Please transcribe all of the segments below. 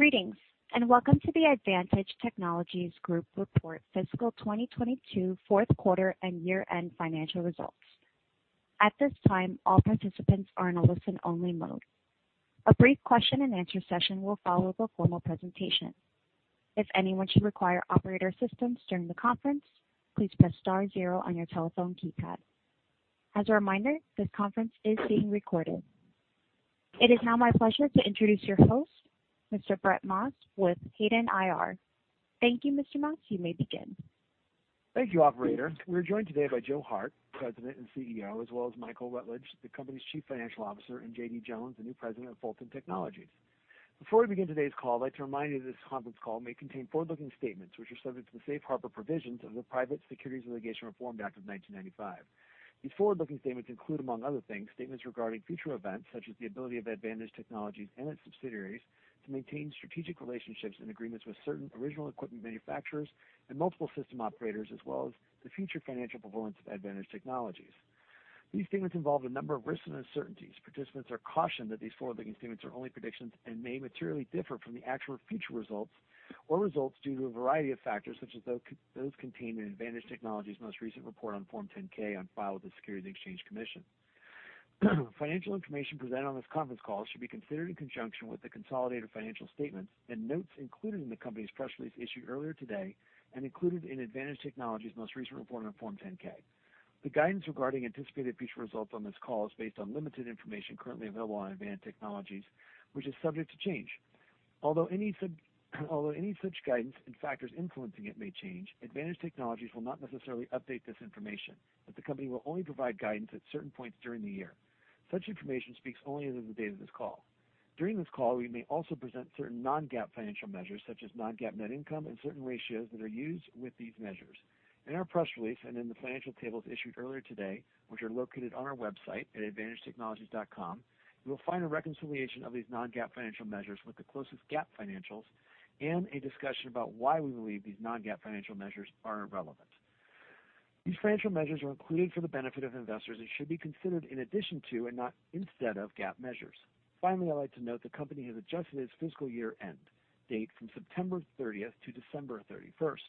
Greetings, and welcome to the ADDvantage Technologies Group Report Fiscal 2022 4th quarter and year-end financial results. At this time, all participants are in a listen-only mode. A brief question and answer session will follow the formal presentation. If anyone should require operator assistance during the conference, please press star zero on your telephone keypad. As a reminder, this conference is being recorded. It is now my pleasure to introduce your host, Mr. Brett Maas, with Hayden IR. Thank you, Mr. Maas. You may begin. Thank you, operator. We're joined today by Joe Hart, President and CEO, as well as Michael Rutledge, the company's Chief Financial Officer, and JD Jones, the new President of Fulton Technologies. Before we begin today's call, I'd like to remind you this conference call may contain forward-looking statements which are subject to the safe harbor provisions of the Private Securities Litigation Reform Act of 1995. These forward-looking statements include, among other things, statements regarding future events, such as the ability of ADDvantage Technologies and its subsidiaries to maintain strategic relationships and agreements with certain original equipment manufacturers and multiple system operators, as well as the future financial performance of ADDvantage Technologies. These statements involve a number of risks and uncertainties. Participants are cautioned that these forward-looking statements are only predictions and may materially differ from the actual future results or results due to a variety of factors, such as those contained in ADDvantage Technologies' most recent report on Form 10-K on file with the Securities and Exchange Commission. Financial information presented on this conference call should be considered in conjunction with the consolidated financial statements and notes included in the company's press release issued earlier today, and included in ADDvantage Technologies' most recent report on Form 10-K. The guidance regarding anticipated future results on this call is based on limited information currently available on ADDvantage Technologies, which is subject to change. Although any such guidance and factors influencing it may change, ADDvantage Technologies will not necessarily update this information, as the company will only provide guidance at certain points during the year. Such information speaks only as of the date of this call. During this call, we may also present certain non-GAAP financial measures, such as non-GAAP net income and certain ratios that are used with these measures. In our press release and in the financial tables issued earlier today, which are located on our website at addvantagetechnologies.com, you will find a reconciliation of these non-GAAP financial measures with the closest GAAP financials and a discussion about why we believe these non-GAAP financial measures are relevant. These financial measures are included for the benefit of investors and should be considered in addition to and not instead of GAAP measures. Finally, I'd like to note the company has adjusted its fiscal year-end date from September 30th to December 31st.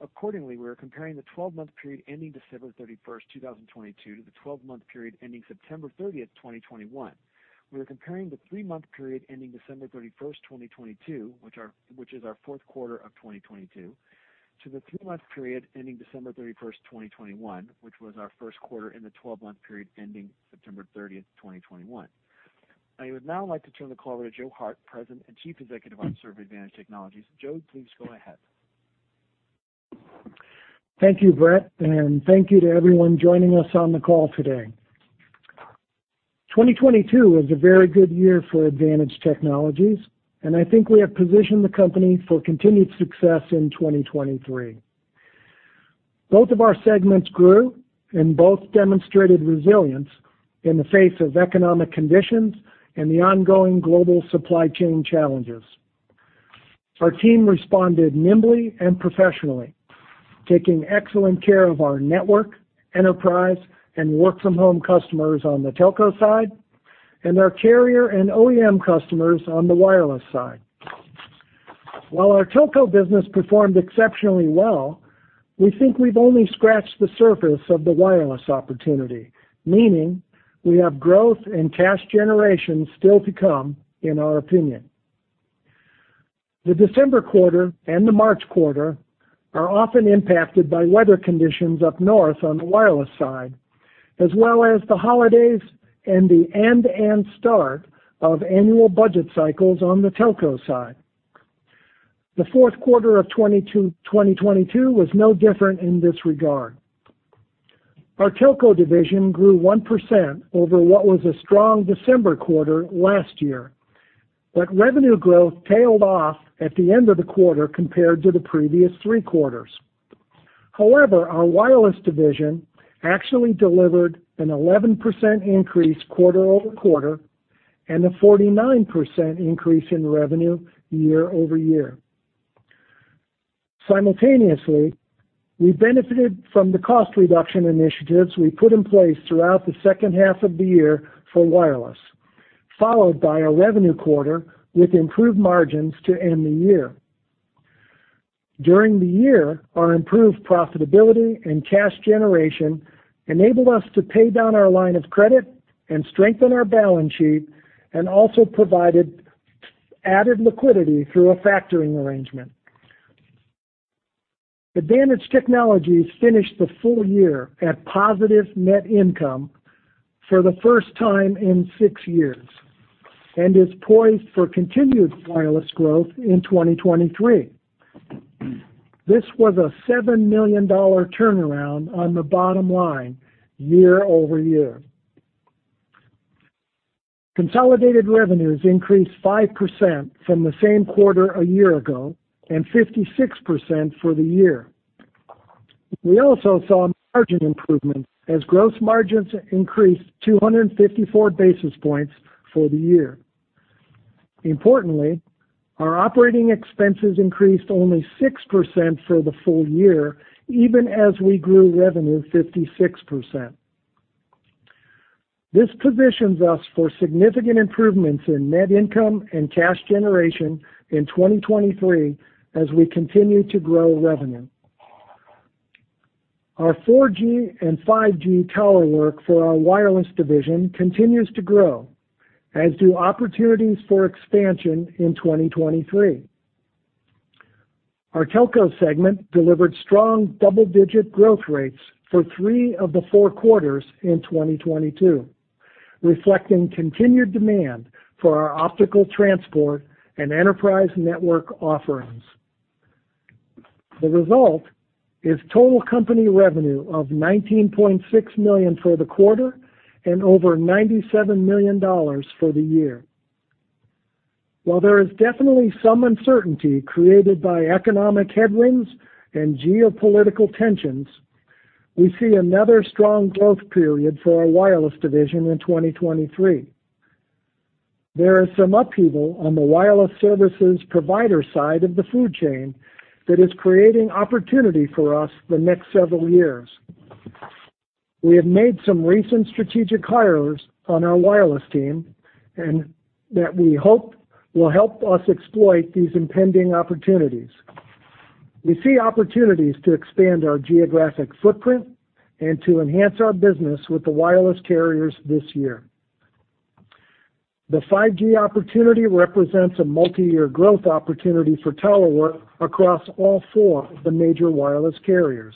Accordingly, we are comparing the 12-month period ending December 31st, 2022 to the 12-month period ending September 30th, 2021. We are comparing the three-month period ending December 31st, 2022, which is our 4th quarter of 2022, to the three-month period ending December 31st, 2021, which was our 1st quarter in the 12-month period ending September 30th, 2021. I would now like to turn the call over to Joe Hart, President and Chief Executive Officer of ADDvantage Technologies. Joe, please go ahead. Thank you, Brett, and thank you to everyone joining us on the call today. 2022 was a very good year for ADDvantage Technologies, I think we have positioned the company for continued success in 2023. Both of our segments grew, both demonstrated resilience in the face of economic conditions and the ongoing global supply chain challenges. Our team responded nimbly and professionally, taking excellent care of our network, enterprise, and work-from-home customers on the telco side, and our carrier and OEM customers on the wireless side. While our telco business performed exceptionally well, we think we've only scratched the surface of the wireless opportunity, meaning we have growth and cash generation still to come, in our opinion. The December quarter and the March quarter are often impacted by weather conditions up north on the wireless side, as well as the holidays and the start of annual budget cycles on the telco side. The 4th quarter of 2022 was no different in this regard. Our telco division grew 1% over what was a strong December quarter last year. Revenue growth tailed off at the end of the quarter compared to the previous three quarters. Our wireless division actually delivered an 11% increase quarter-over-quarter and a 49% increase in revenue year-over-year. Simultaneously, we benefited from the cost reduction initiatives we put in place throughout the second half of the year for wireless, followed by a revenue quarter with improved margins to end the year. During the year, our improved profitability and cash generation enabled us to pay down our line of credit and strengthen our balance sheet, and also provided added liquidity through a factoring arrangement. ADDvantage Technologies finished the full year at positive net income for the first time in six years and is poised for continued wireless growth in 2023. This was a $7 million turnaround on the bottom line year-over-year. Consolidated revenues increased 5% from the same quarter a year ago and 56% for the year. We also saw margin improvement as gross margins increased 254 basis points for the year. Importantly, our operating expenses increased only 6% for the full year, even as we grew revenue 56%. This positions us for significant improvements in net income and cash generation in 2023 as we continue to grow revenue. Our 4G and 5G tower work for our wireless division continues to grow, as do opportunities for expansion in 2023. Our telco segment delivered strong double-digit growth rates for three of the four quarters in 2022, reflecting continued demand for our optical transport and enterprise network offerings. The result is total company revenue of $19.6 million for the quarter and over $97 million for the year. There is definitely some uncertainty created by economic headwinds and geopolitical tensions, we see another strong growth period for our wireless division in 2023. There is some upheaval on the wireless services provider side of the food chain that is creating opportunity for us the next several years. We have made some recent strategic hires on our wireless team that we hope will help us exploit these impending opportunities. We see opportunities to expand our geographic footprint and to enhance our business with the wireless carriers this year. The 5G opportunity represents a multiyear growth opportunity for tower work across all four of the major wireless carriers.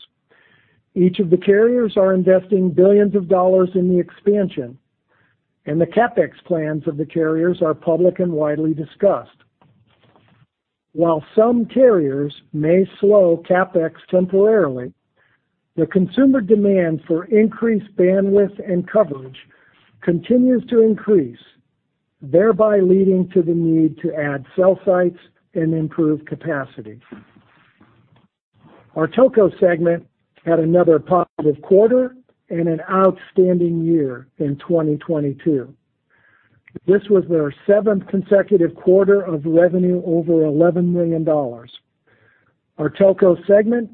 Each of the carriers are investing billions of dollars in the expansion, and the CapEx plans of the carriers are public and widely discussed. While some carriers may slow CapEx temporarily, the consumer demand for increased bandwidth and coverage continues to increase, thereby leading to the need to add cell sites and improve capacity. Our Telco segment had another positive quarter and an outstanding year in 2022. This was their 7th consecutive quarter of revenue over $11 million. Our Telco segment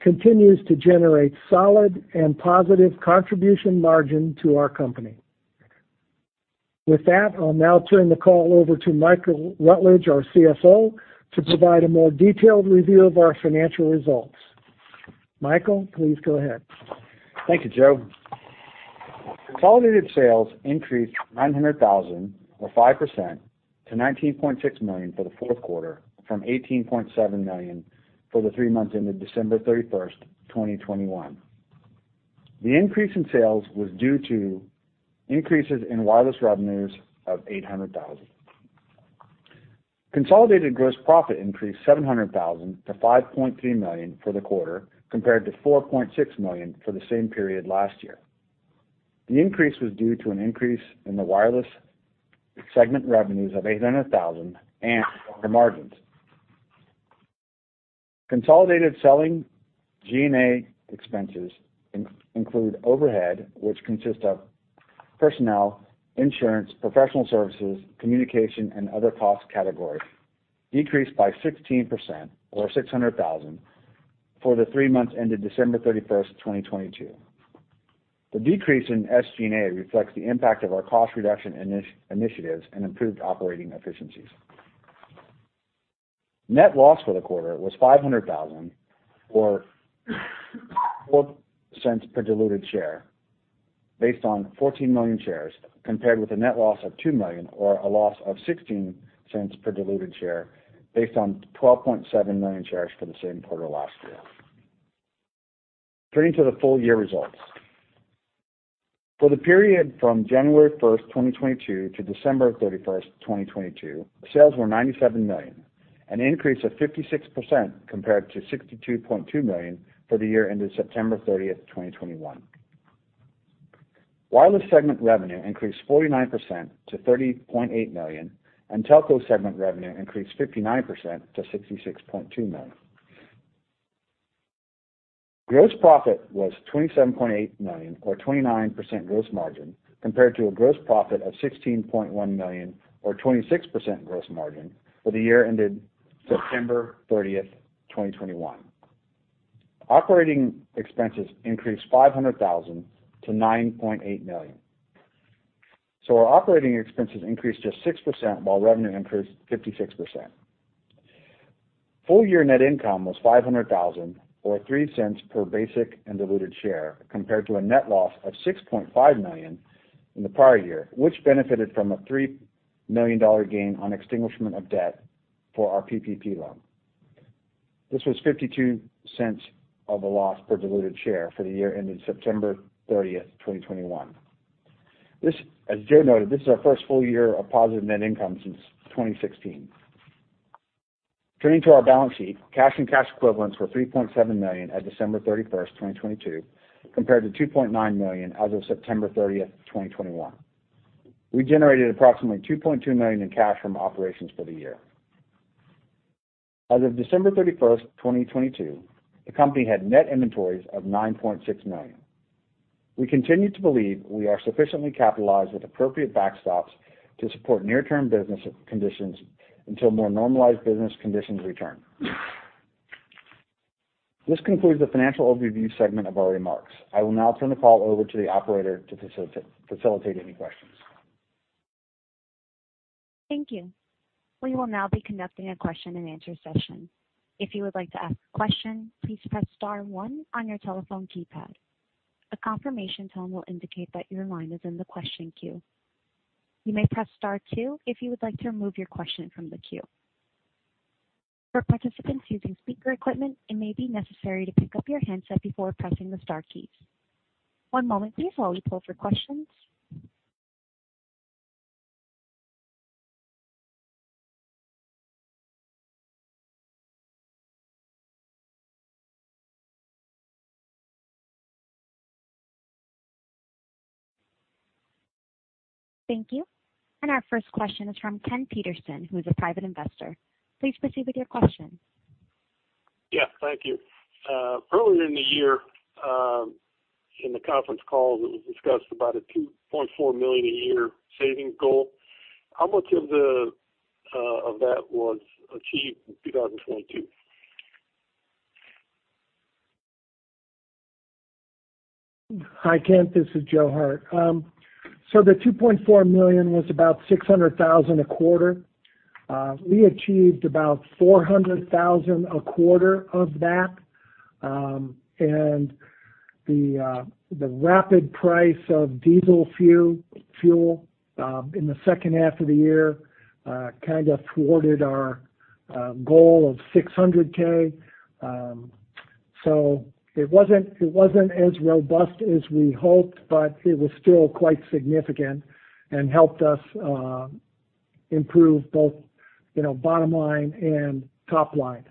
continues to generate solid and positive contribution margin to our company. With that, I'll now turn the call over to Michael Rutledge, our CFO, to provide a more detailed review of our financial results. Michael, please go ahead. Thank you, Joe. Consolidated sales increased $900,000 or 5% to $19.6 million for the 4th quarter from $18.7 million for the three months ended December 31st, 2021. The increase in sales was due to increases in wireless revenues of $800,000. Consolidated gross profit increased $700,000 to $5.3 million for the quarter compared to $4.6 million for the same period last year. The increase was due to an increase in the wireless segment revenues of $800,000 and stronger margins. Consolidated selling SG&A expenses include overhead, which consist of personnel, insurance, professional services, communication, and other cost categories, decreased by 16% or $600,000 for the three months ended December 31th, 2022. The decrease in SG&A reflects the impact of our cost reduction initiatives and improved operating efficiencies. Net loss for the quarter was $500,000 or $0.04 per diluted share based on 14 million shares compared with a net loss of $2 million or a loss of $0.16 per diluted share based on 12.7 million shares for the same quarter last year. Turning to the full year results. For the period from January 1st, 2022 to December 31st, 2022, sales were $97 million, an increase of 56% compared to $62.2 million for the year ended September 30, 2021. Wireless segment revenue increased 49% to $30.8 million, and telco segment revenue increased 59% to $66.2 million. Gross profit was $27.8 million or 29% gross margin, compared to a gross profit of $16.1 million or 26% gross margin for the year ended September 30, 2021. Operating expenses increased $500,000 to $9.8 million. Our operating expenses increased just 6% while revenue increased 56%. Full year net income was $500,000 or $0.03 per basic and diluted share compared to a net loss of $6.5 million in the prior year, which benefited from a $3 million gain on extinguishment of debt for our PPP loan. This was $0.52 of a loss per diluted share for the year ended September 30, 2021. As Joe noted, this is our first full year of positive net income since 2016. Turning to our balance sheet, cash and cash equivalents were $3.7 million at December 31, 2022, compared to $2.9 million as of September 30, 2021. We generated approximately $2.2 million in cash from operations for the year. As of December 31, 2022, the company had net inventories of $9.6 million. We continue to believe we are sufficiently capitalized with appropriate backstops to support near-term business conditions until more normalized business conditions return. This concludes the financial overview segment of our remarks. I will now turn the call over to the operator to facilitate any questions. Thank you. We will now be conducting a question-and-answer session. If you would like to ask a question, please press star one on your telephone keypad. A confirmation tone will indicate that your line is in the question queue. You may press star two if you would like to remove your question from the queue. For participants using speaker equipment, it may be necessary to pick up your handset before pressing the star keys. One moment please while we pull for questions. Thank you. Our first question is from Ken Peterson, who is a Private Investor. Please proceed with your question. Yeah, thank you. Earlier in the year, in the conference call, it was discussed about a $2.4 million a year savings goal. How much of that was achieved in 2022? Hi, Ken. This is Joe Hart. The $2.4 million was about $600,000 a quarter. We achieved about $400,000 a quarter of that. The rapid price of diesel fuel in the second half of the year, kinda thwarted our goal of $600K. It wasn't as robust as we hoped, but it was still quite significant and helped us improve both, you know, bottom line and top line.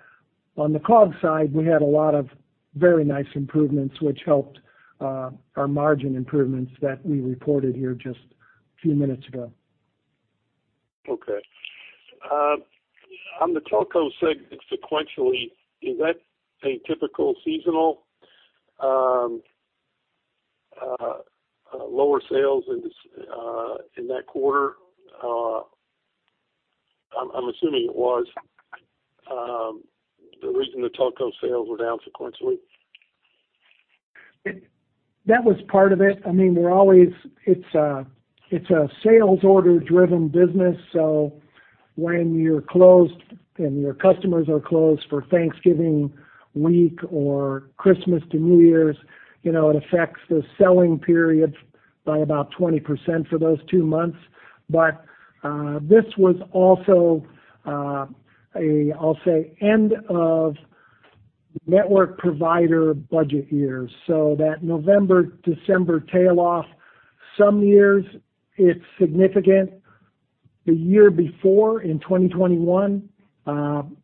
On the COG side, we had a lot of very nice improvements, which helped our margin improvements that we reported here just a few minutes ago. Okay. on the telco segment sequentially, is that a typical seasonal, lower sales in this, in that quarter? I'm assuming it was, the reason the telco sales were down sequentially. That was part of it. I mean, we're always... It's a, it's a sales order-driven business. When you're closed and your customers are closed for Thanksgiving week or Christmas to New Year's, you know, it affects the selling period by about 20% for those two months. This was also, I'll say, end of network provider budget year. That November, December tail off, some years it's significant. The year before, in 2021,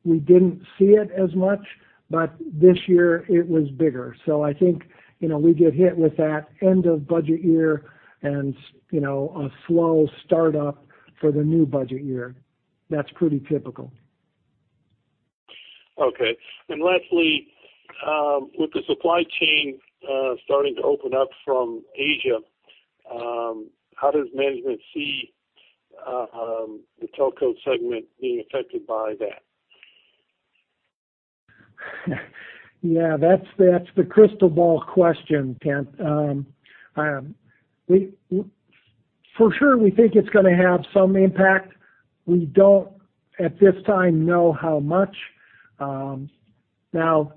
we didn't see it as much, but this year it was bigger. I think, you know, we get hit with that end of budget year and, you know, a slow startup for the new budget year. That's pretty typical. Okay. Lastly, with the supply chain starting to open up from Asia, how does management see the telco segment being affected by that? Yeah, that's the crystal ball question, Ken. We for sure, we think it's gonna have some impact. We don't, at this time, know how much. Now,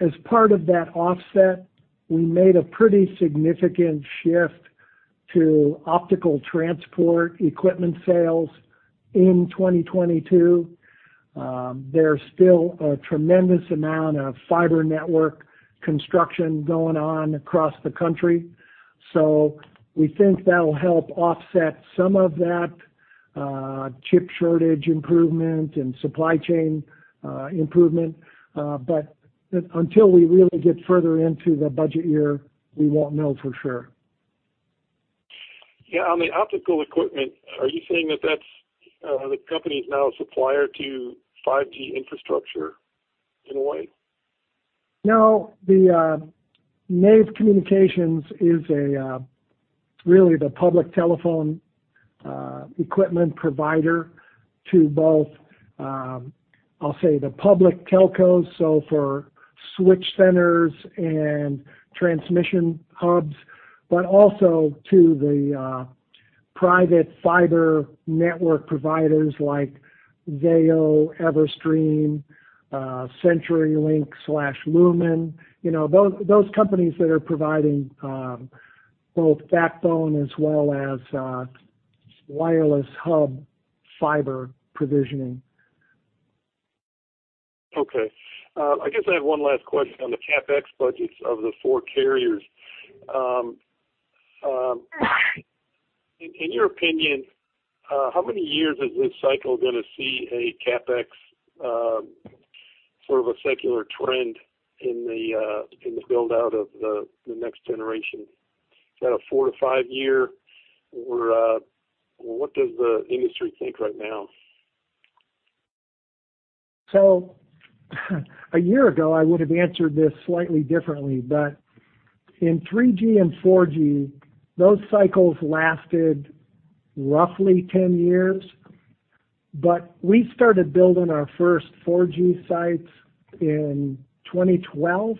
as part of that offset, we made a pretty significant shift to optical transport equipment sales in 2022. There's still a tremendous amount of fiber network construction going on across the country. We think that'll help offset some of that chip shortage improvement and supply chain improvement. Until we really get further into the budget year, we won't know for sure. On the optical equipment, are you saying that that's the company is now a supplier to 5G infrastructure in a way? No. The Nave Communications is a really the public telephone equipment provider to both, I'll say the public telcos, so for switch centers and transmission hubs, but also to the private fiber network providers like Zayo, Everstream, CenturyLink/Lumen. You know, those companies that are providing both backbone as well as wireless hub fiber provisioning. Okay. I guess I have one last question on the CapEx budgets of the four carriers. In your opinion, how many years is this cycle gonna see a CapEx, sort of a secular trend in the build-out of the next generation? Is that a four to five year or what does the industry think right now? A year ago, I would have answered this slightly differently, but in 3G and 4G, those cycles lasted roughly 10 years. We started building our first 4G sites in 2012,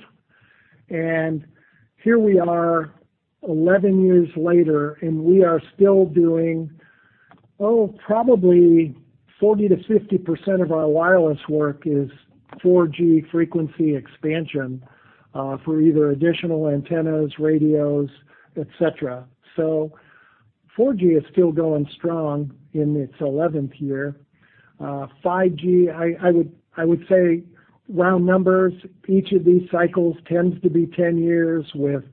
and here we are 11 years later, and we are still doing, probably 40%-50% of our wireless work is 4G frequency expansion, for either additional antennas, radios, et cetera. 4G is still going strong in its 11th year. 5G, I would say round numbers, each of these cycles tends to be 10 years, with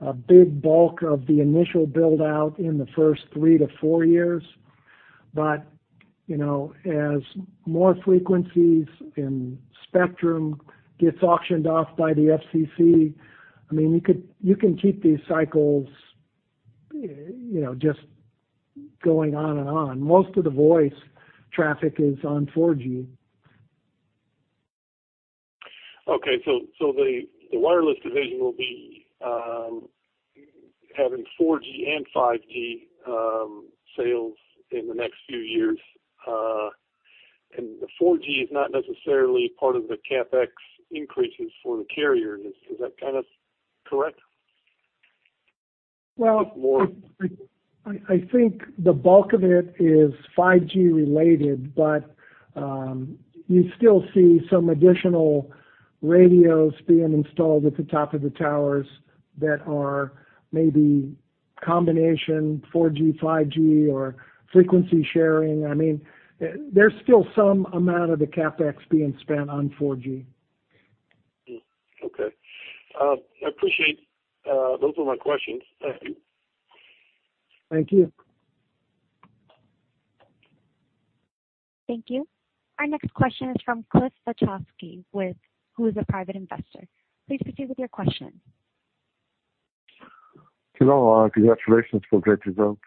a big bulk of the initial build-out in the first three to four years. You know, as more frequencies and spectrum gets auctioned off by the FCC, I mean, you can keep these cycles, you know, just going on and on. Most of the voice traffic is on 4G. Okay. The wireless division will be having 4G and 5G sales in the next few years. The 4G is not necessarily part of the CapEx increases for the carrier. Is that kinda correct? Well- Or- I think the bulk of it is 5G related, but you still see some additional radios being installed at the top of the towers that are maybe combination 4G, 5G, or frequency sharing. I mean, there's still some amount of the CapEx being spent on 4G. Okay. I appreciate, those are my questions. Thank you. Thank you. Thank you. Our next question is from Cliff Puchalski with... who is a private investor. Please proceed with your question. Hello, congratulations for great results.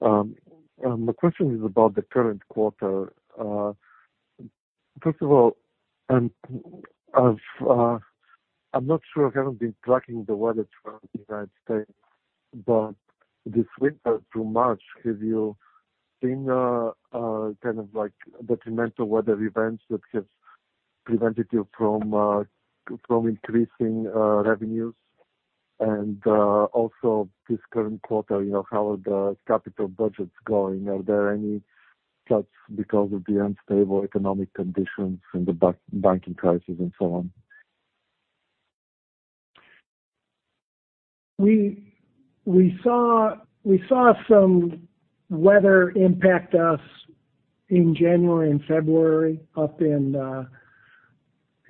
My question is about the current quarter. First of all, I've, I'm not sure, I haven't been tracking the weather throughout the United States, but this winter through March, have you seen kind of like detrimental weather events that has prevented you from increasing revenues? Also this current quarter, you know, how are the capital budgets going? Are there any cuts because of the unstable economic conditions and the banking crisis and so on? We saw some weather impact us in January and February up in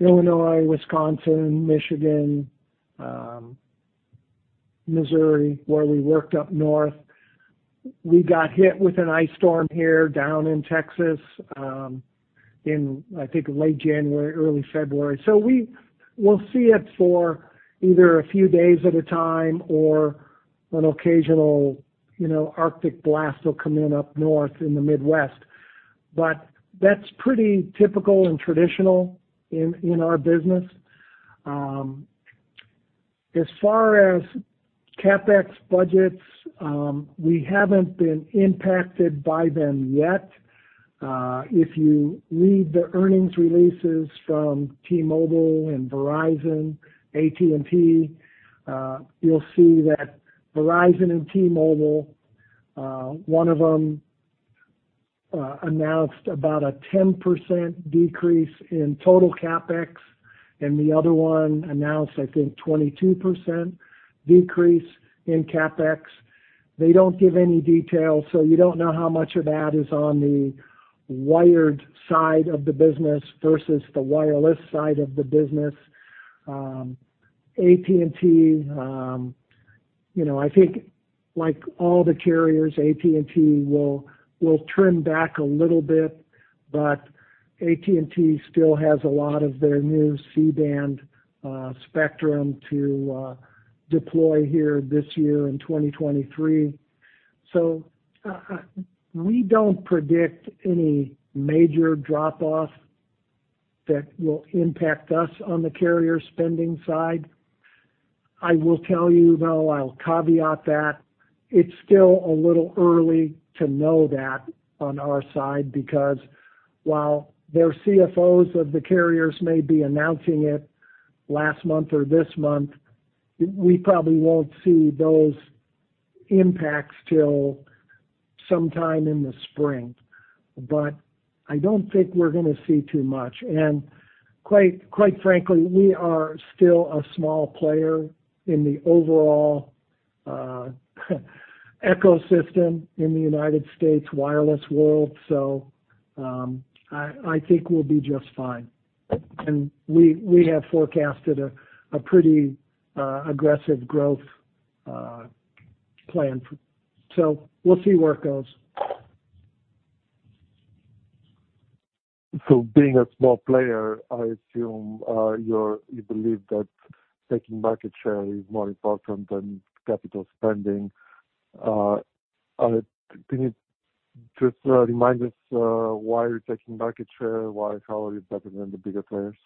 Illinois, Wisconsin, Michigan, Missouri, where we worked up north. We got hit with an ice storm here down in Texas in, I think, late January, early February. We will see it for either a few days at a time or an occasional, you know, Arctic blast will come in up north in the Midwest. That's pretty typical and traditional in our business. As far as CapEx budgets, we haven't been impacted by them yet. If you read the earnings releases from T-Mobile and Verizon, AT&T, you'll see that Verizon and T-Mobile, one of them announced about a 10% decrease in total CapEx, and the other one announced, I think, 22% decrease in CapEx. They don't give any detail, so you don't know how much of that is on the wired side of the business versus the wireless side of the business. AT&T, you know, I think, like all the carriers, AT&T will trim back a little bit, but AT&T still has a lot of their new C-band spectrum to deploy here this year in 2023. We don't predict any major drop-off that will impact us on the carrier spending side. I will tell you, though, I'll caveat that it's still a little early to know that on our side, because while their CFOs of the carriers may be announcing it last month or this month, we probably won't see those impacts till sometime in the spring. I don't think we're gonna see too much. Quite frankly, we are still a small player in the overall ecosystem in the United States wireless world, I think we'll be just fine. We have forecasted a pretty aggressive growth plan for. We'll see where it goes. Being a small player, I assume, you believe that taking market share is more important than capital spending. Can you just remind us, why you're taking market share? How are you better than the bigger players?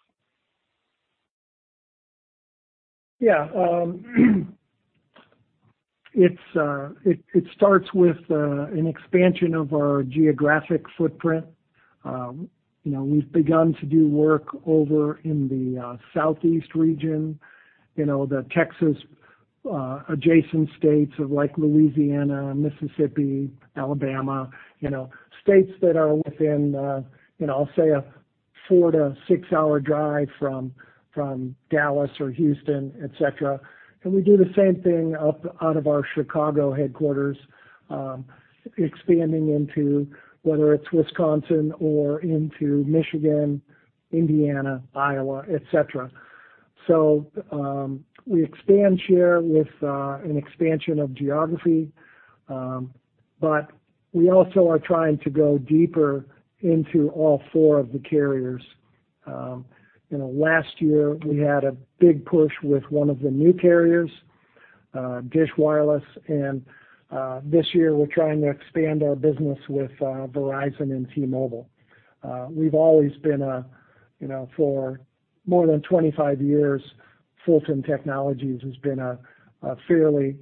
Yeah. It starts with an expansion of our geographic footprint. You know, we've begun to do work over in the southeast region, you know, the Texas adjacent states of like Louisiana, Mississippi, Alabama. You know, states that are within, you know, I'll say a four to six-hour drive from Dallas or Houston, et cetera. We do the same thing up out of our Chicago headquarters, expanding into whether it's Wisconsin or into Michigan, Indiana, Iowa, et cetera. We expand share with an expansion of geography. We also are trying to go deeper into all four of the carriers. You know, last year we had a big push with one of the new carriers, Dish Wireless. This year we're trying to expand our business with Verizon and T-Mobile. We've always been a, you know, for more than 25 years, Fulton Technologies has been a fairly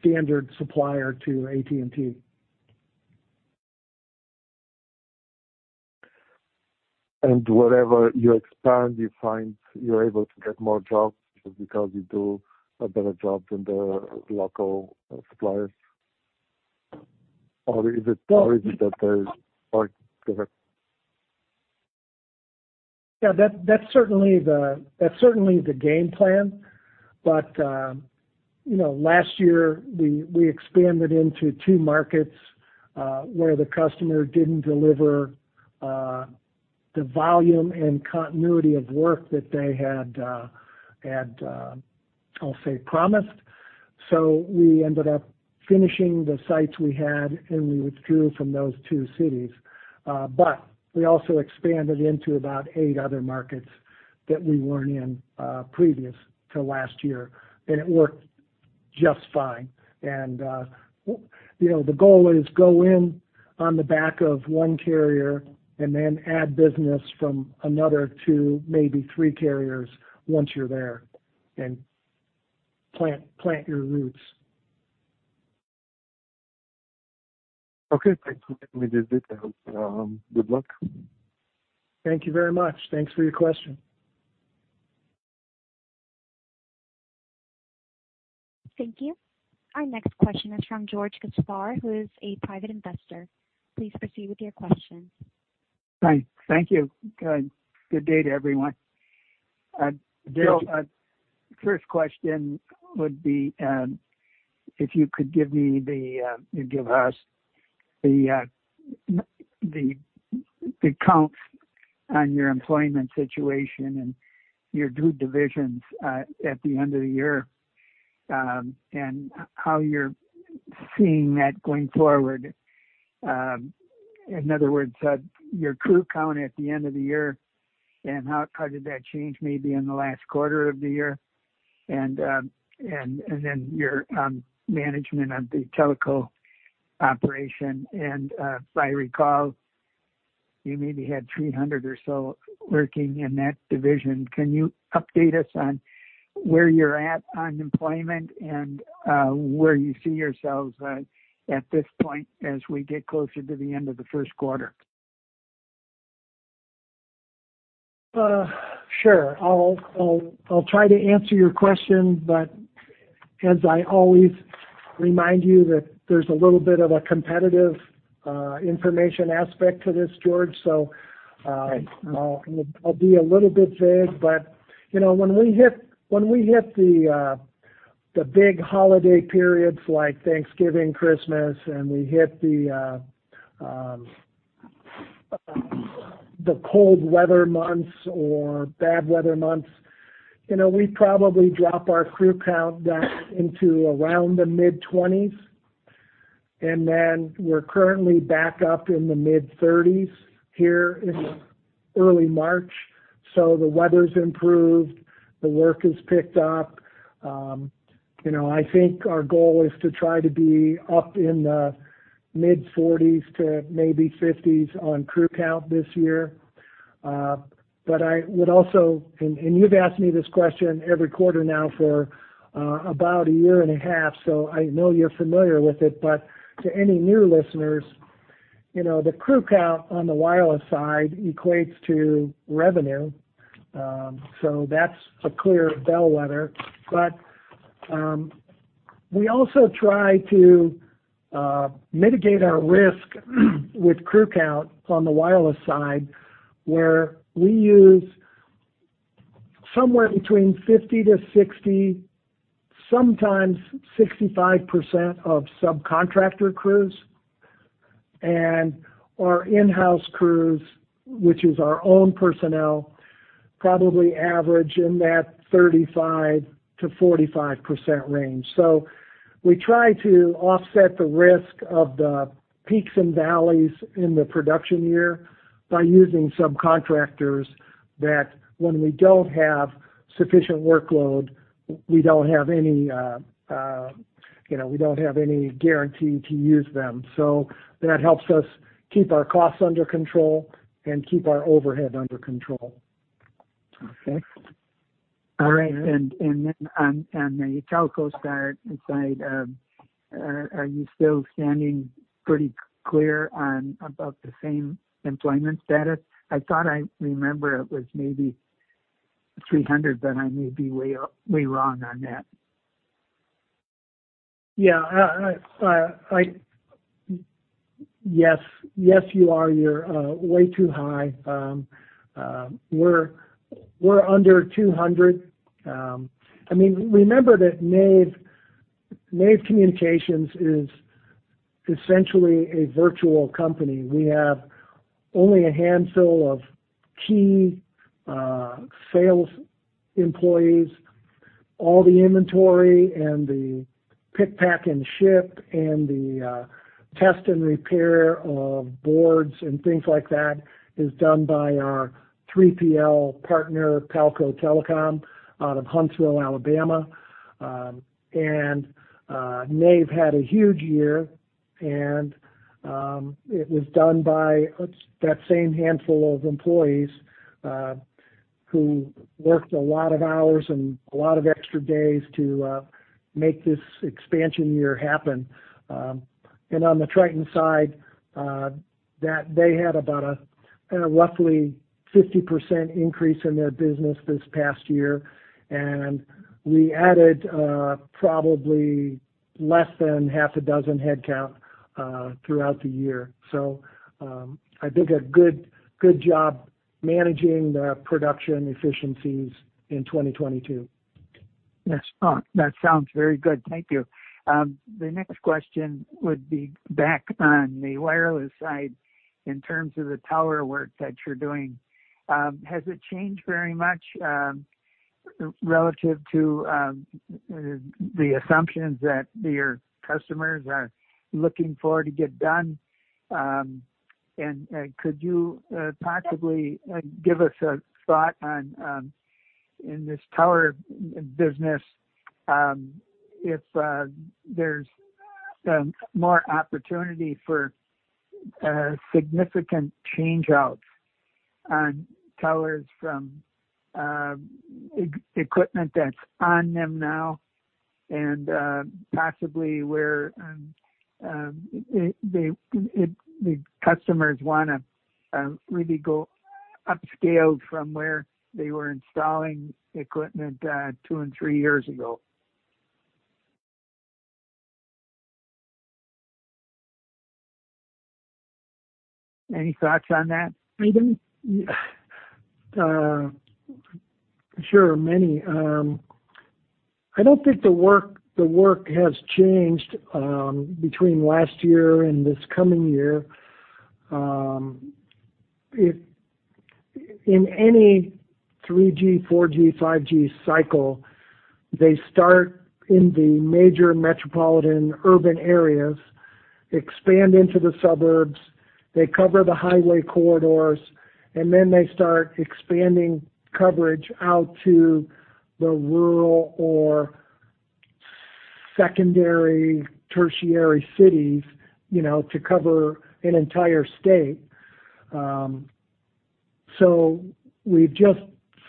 standard supplier to AT&T. Wherever you expand, you find you're able to get more jobs just because you do a better job than the local suppliers? Is it. Well- Is it that there's or the... Yeah, that's certainly the game plan. You know, last year we expanded into two markets where the customer didn't deliver the volume and continuity of work that they had, I'll say promised. We ended up finishing the sites we had, and we withdrew from those two cities. We also expanded into about 8 other markets that we weren't in previous to last year, and it worked just fine. You know, the goal is go in on the back of one carrier and then add business from another two, maybe three carriers once you're there, and plant your roots. Okay. Thanks for letting me do that. Good luck. Thank you very much. Thanks for your question. Thank you. Our next question is from George Gaspar, who is a private investor. Please proceed with your question. Hi. Thank you. Good, good day to everyone. George. First question would be, if you could give me the, give us the, the counts on your employment situation and your two divisions, at the end of the year, and how you're seeing that going forward. In other words, your crew count at the end of the year and how did that change maybe in the last quarter of the year and then your management of the telco operation. If I recall, you maybe had 300 or so working in that division. Can you update us on where you're at on employment and, where you see yourselves at this point as we get closer to the end of the 1st quarter? Sure. I'll try to answer your question, but as I always remind you that there's a little bit of a competitive information aspect to this, George. Right. I'll be a little bit vague. You know, when we hit, when we hit the big holiday periods like Thanksgiving, Christmas, and we hit the cold weather months or bad weather months, you know, we probably drop our crew count down into around the mid-20s. Then we're currently back up in the mid-30s here in early March. The weather's improved, the work has picked up. You know, I think our goal is to try to be up in the mid-40s to maybe 50s on crew count this year. I would also. You've asked me this question every quarter now for about 1.5 years, so I know you're familiar with it. To any new listeners, you know, the crew count on the wireless side equates to revenue, so that's a clear bellwether. We also try to mitigate our risk with crew count on the wireless side, where we use somewhere between 50-60, sometimes 65% of subcontractor crews. Our in-house crews, which is our own personnel, probably average in that 35%-45% range. We try to offset the risk of the peaks and valleys in the production year by using subcontractors that when we don't have sufficient workload, we don't have any, you know, we don't have any guarantee to use them, so that helps us keep our costs under control and keep our overhead under control. Okay. All right. On the Telco side, are you still standing pretty clear on about the same employment status? I thought I remember it was maybe 300, but I may be way wrong on that. Yeah, Yes, you are. You're way too high. We're under 200. I mean, remember that Nave Communications is essentially a virtual company. We have only a handful of key sales employees. All the inventory and the pick, pack, and ship and the test and repair of boards and things like that is done by our 3PL partner, Palco Telecom, out of Huntsville, Alabama. Nave had a huge year, and it was done by that same handful of employees who worked a lot of hours and a lot of extra days to make this expansion year happen. On the Triton side, that they had about a, kind of roughly 50% increase in their business this past year, and we added, probably less than half a dozen headcount, throughout the year. I think a good job managing the production efficiencies in 2022. That's fine. That sounds very good. Thank you. The next question would be back on the wireless side in terms of the tower work that you're doing. Has it changed very much, relative to the assumptions that your customers are looking for to get done? Could you possibly give us a thought on in this tower business, if there's more opportunity for significant change outs on towers from equipment that's on them now and possibly where the customers wanna really go upscale from where they were installing equipment, two and three years ago. Any thoughts on that, Hayden? Sure, many. I don't think the work, the work has changed between last year and this coming year. In any 3G, 4G, 5G cycle, they start in the major metropolitan urban areas, expand into the suburbs, they cover the highway corridors. They start expanding coverage out to the rural or secondary, tertiary cities, you know, to cover an entire state. We've just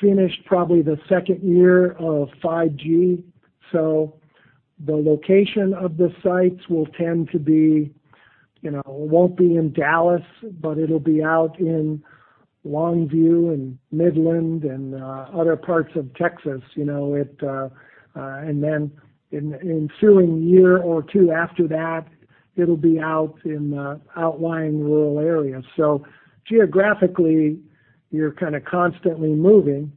finished probably the 2nd year of 5G. The location of the sites will tend to be, you know, it won't be in Dallas, but it'll be out in Longview and Midland and other parts of Texas, you know. In ensuing year or two after that, it'll be out in the outlying rural areas. Geographically, you're kinda constantly moving,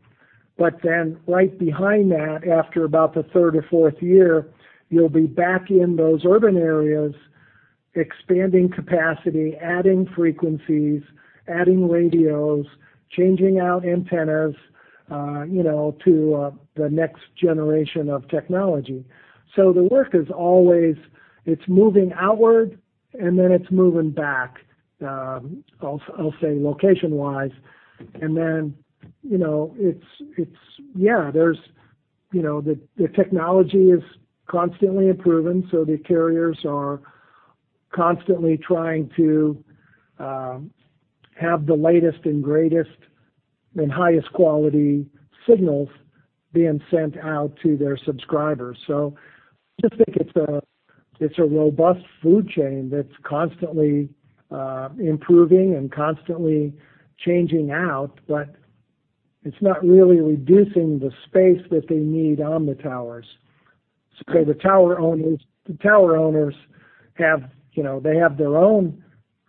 but then right behind that, after about the 3rd or 4th year, you'll be back in those urban areas, expanding capacity, adding frequencies, adding radios, changing out antennas, you know, to the next generation of technology. The work is always, it's moving outward and then it's moving back, I'll say, location-wise. Then, you know, it's, yeah, there's, you know, the technology is constantly improving, so the carriers are constantly trying to have the latest and greatest and highest quality signals being sent out to their subscribers. I just think it's a, it's a robust food chain that's constantly improving and constantly changing out, but it's not really reducing the space that they need on the towers. The tower owners have, you know, they have their own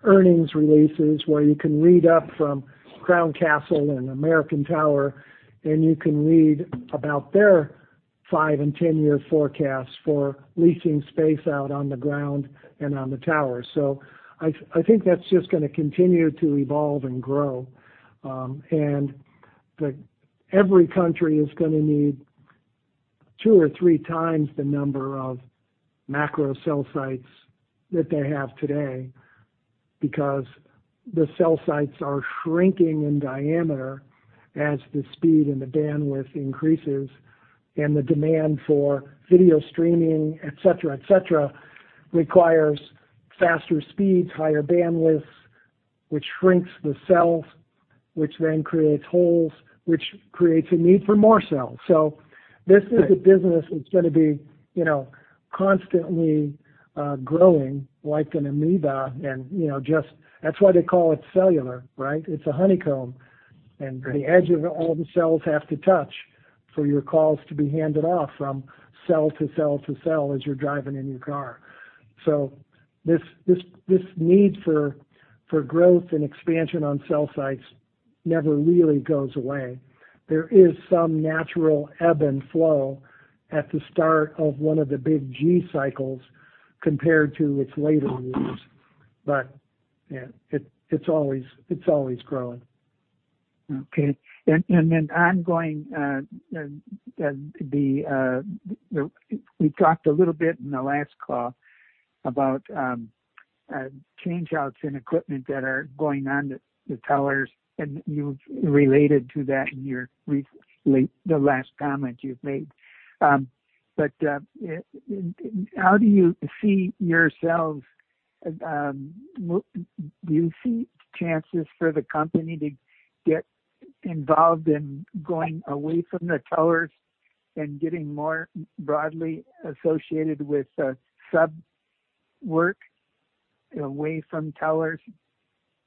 earnings releases where you can read up from Crown Castle and American Tower, and you can read about their five and 10-year forecasts for leasing space out on the ground and on the tower. I think that's just gonna continue to evolve and grow, and every country is gonna need 2 or 3x the number of macro cell sites that they have today. Because the cell sites are shrinking in diameter as the speed and the bandwidth increases, and the demand for video streaming, et cetera, et cetera, requires faster speeds, higher bandwidth, which shrinks the cells, which then creates holes, which creates a need for more cells. This is a business that's gonna be, you know, constantly growing like an amoeba and, you know, That's why they call it cellular, right? It's a honeycomb, and the edge of all the cells have to touch for your calls to be handed off from cell to cell to cell as you're driving in your car. This need for growth and expansion on cell sites never really goes away. There is some natural ebb and flow at the start of one of the big G cycles compared to its later years. Yeah, it's always growing. Okay. Then ongoing, We talked a little bit in the last call about change-outs in equipment that are going on the towers, and you related to that in your the last comment you've made. How do you see yourselves, Do you see chances for the company to get involved in going away from the towers and getting more broadly associated with sub work away from towers?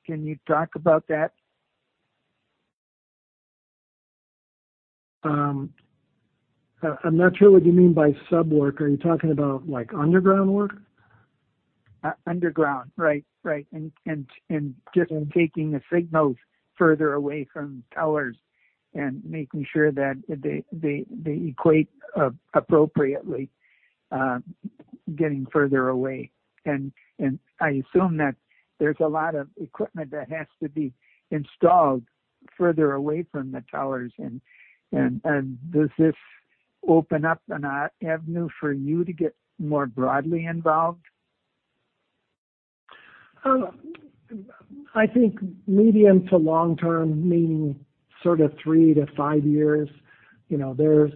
Can you talk about that? I'm not sure what you mean by sub work. Are you talking about, like, underground work? Underground, right. Right. Just taking the signals further away from towers and making sure that they equate appropriately, getting further away. I assume that there's a lot of equipment that has to be installed further away from the towers. Does this open up an avenue for you to get more broadly involved? I think medium to long-term, meaning sort of three to five years, you know, there's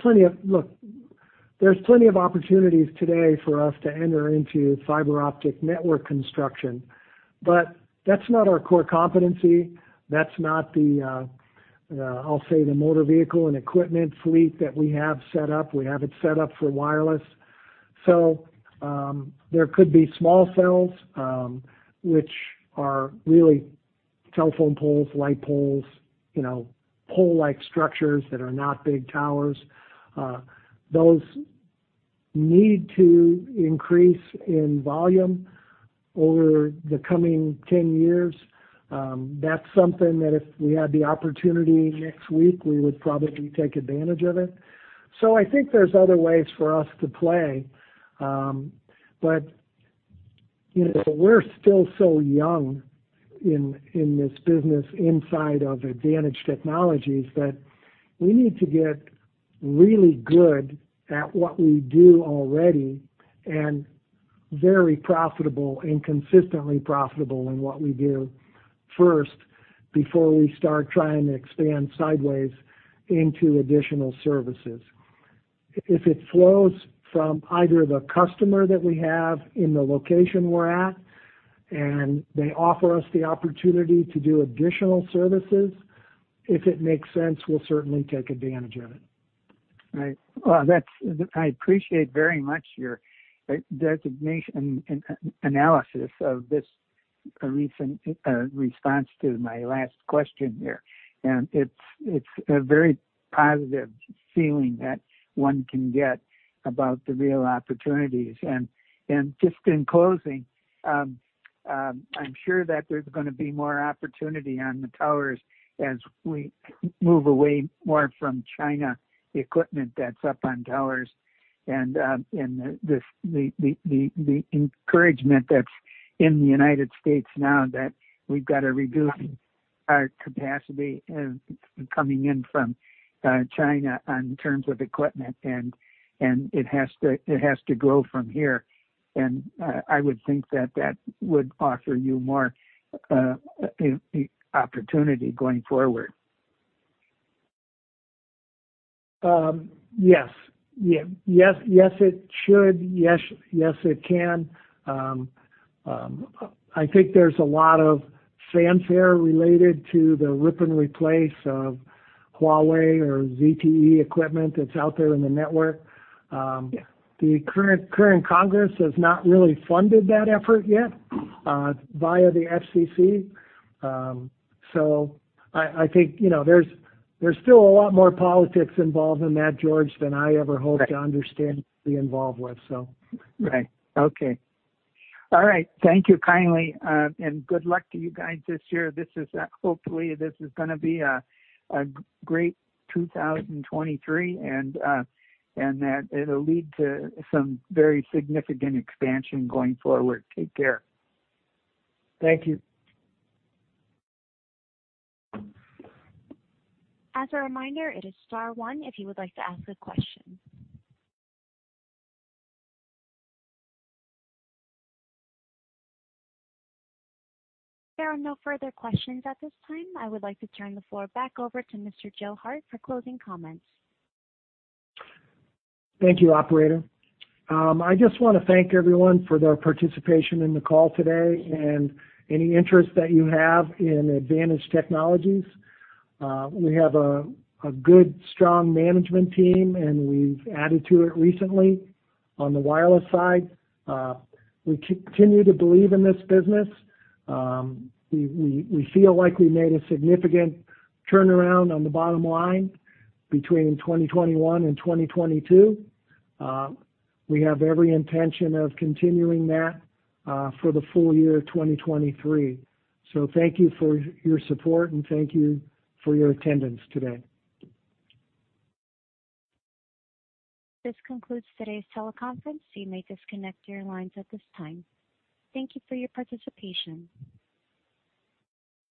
plenty of opportunities today for us to enter into fiber optic network construction. That's not our core competency. That's not the, I'll say the motor vehicle and equipment fleet that we have set up. We have it set up for wireless. There could be small cells, which are really telephone poles, light poles, you know, pole-like structures that are not big towers. Those need to increase in volume over the coming 10 years. That's something that if we had the opportunity next week, we would probably take advantage of it. I think there's other ways for us to play. You know, we're still so young in this business inside of ADDvantage Technologies that we need to get really good at what we do already and very profitable and consistently profitable in what we do first before we start trying to expand sideways into additional services. If it flows from either the customer that we have in the location we're at, and they offer us the opportunity to do additional services, if it makes sense, we'll certainly take advantage of it. Right. Well, I appreciate very much your designation and analysis of this recent response to my last question here. It's a very positive feeling that one can get about the real opportunities. Just in closing, I'm sure that there's gonna be more opportunity on the towers as we move away more from China, the equipment that's up on towers, and this, the encouragement that's in the United States now that we've got to rebuild our capacity of coming in from China in terms of equipment, and it has to grow from here. I would think that that would offer you more opportunity going forward. Yes. Yes. Yes, it should. Yes, yes, it can. I think there's a lot of fanfare related to the rip and replace of Huawei or ZTE equipment that's out there in the network. The current Congress has not really funded that effort yet via the FCC. I think, you know, there's still a lot more politics involved in that, George, than I ever hope to understand to be involved with, so. Right. Okay. All right. Thank you kindly. Good luck to you guys this year. This is, hopefully this is gonna be a great 2023, and that it'll lead to some very significant expansion going forward. Take care. Thank you. As a reminder, it is star one if you would like to ask a question. There are no further questions at this time. I would like to turn the floor back over to Mr. Joe Hart for closing comments. Thank you, operator. I just wanna thank everyone for their participation in the call today and any interest that you have in ADDvantage Technologies. We have a good, strong management team, and we've added to it recently on the wireless side. We continue to believe in this business. We feel like we made a significant turnaround on the bottom line between 2021 and 2022. We have every intention of continuing that for the full year of 2023. Thank you for your support, and thank you for your attendance today. This concludes today's teleconference. You may disconnect your lines at this time. Thank you for your participation.